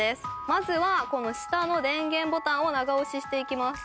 まずはこの下の電源ボタンを長押ししていきます。